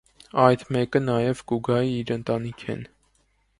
Այդ մէկը նաեւ կու գայ իր ընտանիքէն։